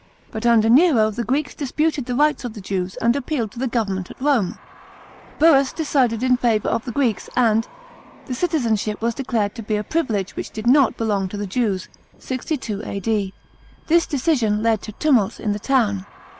But under Nero the Greeks disputed the rights of the Jews, and appealed to the government at Rome. Burnis decided in favour of the Greeks, and the citizenship was deckred to be a privilege which did not belong to the Jews (62 A.D.). This decision led to tumults in the town.